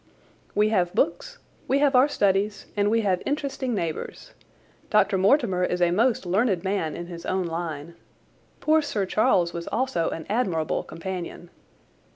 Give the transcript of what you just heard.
"We have books, we have our studies, and we have interesting neighbours. Dr. Mortimer is a most learned man in his own line. Poor Sir Charles was also an admirable companion.